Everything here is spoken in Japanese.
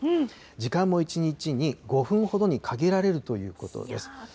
時間も１日に５分ほどに限られるということです。